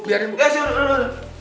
biar gue kembali aja semua